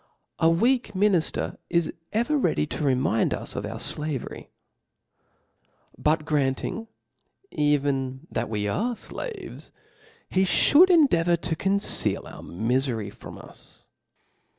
A weak minifter is ever ready to rf mind V^^ of our 0avery« But grandng even that we are Aaves, he fliould endeavour to conceal our miiery from us.